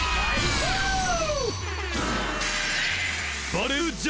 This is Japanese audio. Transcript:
オレンジ！